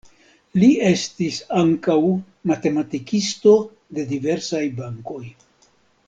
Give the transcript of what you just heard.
Li estis ankaŭ matematikisto de diversaj bankoj.